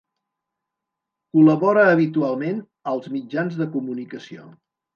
Col·labora habitualment als mitjans de comunicació.